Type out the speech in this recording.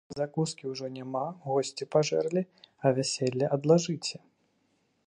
Закускі ўжо няма, госці пажэрлі, а вяселле адлажыце.